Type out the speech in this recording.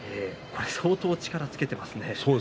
相当力がついてますね。